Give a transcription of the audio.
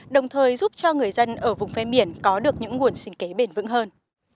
đồng thời giúp cho người dân ở vùng phê biển có được những nguồn sinh kế bền vững hơn